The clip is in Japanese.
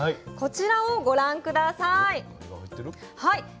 こちらをご覧下さい。